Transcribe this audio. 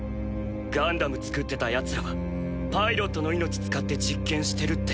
ガンダム造ってたヤツらはパイロットの命使って実験してるって。